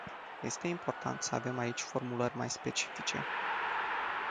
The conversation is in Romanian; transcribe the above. Este importat să avem aici formulări mai specifice.